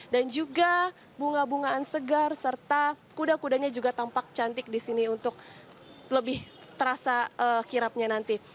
dan juga bunga bungaan segar serta kuda kudanya juga tampak cantik disini untuk lebih terasa kirapnya nanti